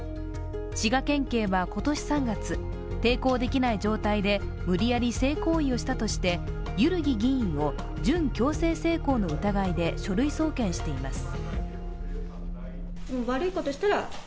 滋賀県警は今年３月、抵抗できない状態で無理やり性行為をしたとして、万木議員を準強制性交の疑いで書類送検しています。